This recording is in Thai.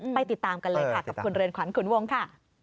ติดตามกันเลยค่ะกับคุณเรือนขวัญขุนวงค่ะ